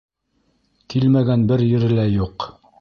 Килмәгән бер ере лә юҡ.